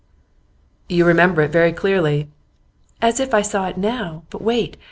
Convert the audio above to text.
'You remember it very clearly.' 'As if I saw it now! But wait.